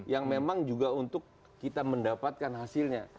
yang memang juga untuk kita mendapatkan hasilnya